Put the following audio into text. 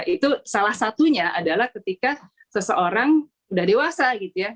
itu salah satunya adalah ketika seseorang sudah dewasa gitu ya